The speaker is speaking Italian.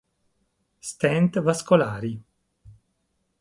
Stent vascolari.